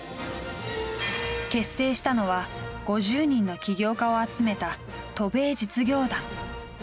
結成したのは５０人の企業家を集めた渡米実業団。